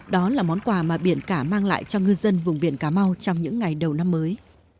đó là món quà mà biển cả mang lại cho ngư dân vùng biển cà mau trong những ngày đầu năm mới